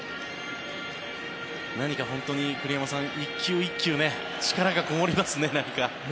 栗山さん１球１球力がこもりますね。